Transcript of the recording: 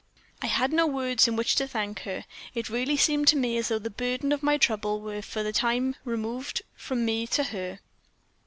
"I had no words in which to thank her; it really seemed to me as though the burden of my trouble were for the time removed from me to her.